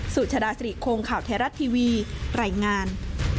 สุชาดาสรีโครงข่าวแท้รัฐทีวีไหล่งาน